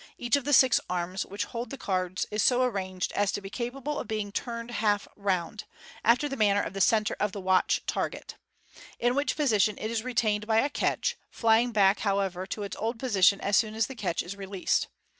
Each of the six arms which hold the cards is so arranged as to be capable of being turned half round (after the manner of the centre of the "watch target "), in which position it is retained by a catch, flying back how ever to its old position as soon as the catch is released.